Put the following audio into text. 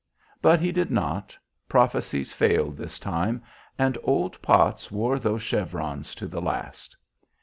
But he did not. Prophecies failed this time, and old Potts wore those chevrons to the last.